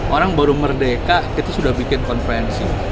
orang baru merdeka kita sudah bikin konferensi